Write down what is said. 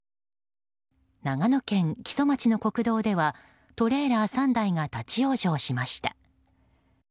長野県木曽町の国道ではトレーラー３台が立ち往生しました。